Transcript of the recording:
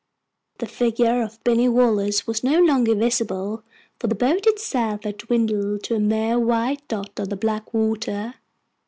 The figure of Binny Wallace was no longer visible, for the boat itself had dwindled to a mere white dot on the black water.